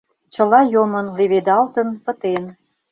Чыла йомын, леведалтын, пытен.